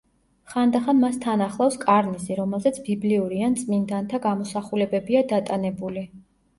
ხანდახან მას თან ახლავს კარნიზი, რომელზეც ბიბლიური ან წმინდანთა გამოსახულებებია დატანებული.